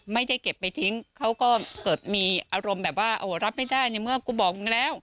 ไม่ได้เก็บไปทิ้งเขาก็เกิดมีอารมณ์แบบว่ารับไม่ได้ในเมื่อกูบอกมึงแล้ว